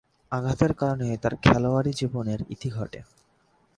আঘাতের কারণে তার খেলোয়াড়ী জীবনের ইতি ঘটে।